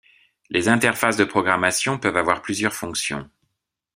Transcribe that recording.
Les interfaces de programmation peuvent avoir plusieurs fonctions.